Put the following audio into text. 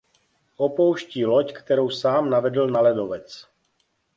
Opouští loď, kterou sám navedl na ledovec.